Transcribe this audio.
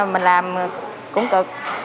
mình làm cũng cực